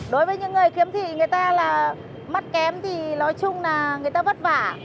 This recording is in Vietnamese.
đối với những người khiếm thị người ta mất kém thì nói chung là người ta vất vả